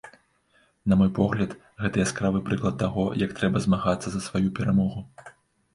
На мой погляд, гэта яскравы прыклад таго, як трэба змагацца за сваю перамогу.